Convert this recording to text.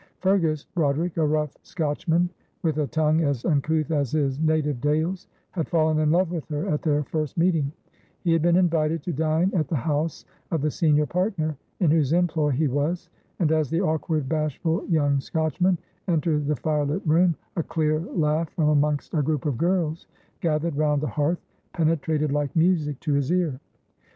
Fergus Broderick, a rough Scotchman, with a tongue as uncouth as his native dales, had fallen in love with her at their first meeting; he had been invited to dine at the house of the senior partner, in whose employ he was, and as the awkward, bashful young Scotchman entered the firelit room, a clear laugh from amongst a group of girls gathered round the hearth penetrated like music to his ear.